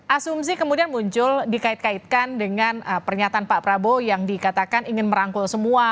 asumsi kemudian muncul dikait kaitkan dengan pernyataan pak prabowo yang dikatakan ingin merangkul semua